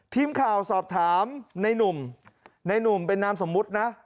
ทีมข่าวสอบถามในหนุ่มในหนุ่มเป็นนามสมมุตินะ